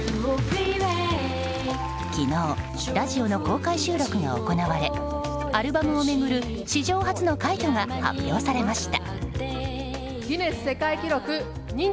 昨日、ラジオの公開収録が行われアルバムを巡る史上初の快挙が発表されました。